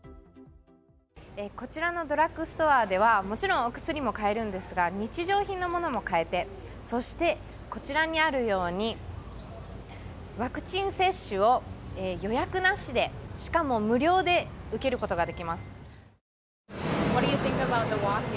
こちらのドラッグストアでは、もちろんお薬も買えるんですが、日常品のものも買えて、そしてこちらにあるように、ワクチン接種を予約なしで、しかも無料で受けることができます。